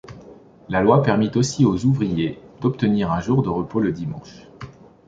La loi permit aussi aux ouvriers d'obtenir un jour de repos le dimanche.